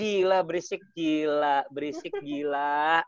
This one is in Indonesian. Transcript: gila berisik gila berisik gila